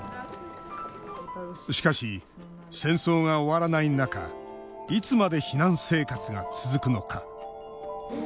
しかし、戦争が終わらない中いつまで避難生活が続くのか。